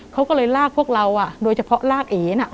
เขาก็เลยลากพวกเราโดยเฉพาะลากเอ๋น่ะ